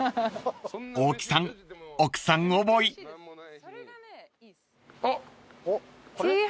［大木さん奥さん思い］あっ！